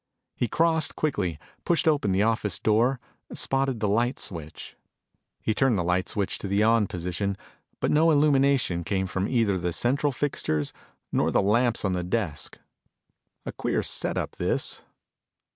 He crossed quickly, pushed open the office door, spotted the light switch. He turned the light switch to the on position, but no illumination came from either the central fixtures nor the lamps on the desk. A queer set up, this.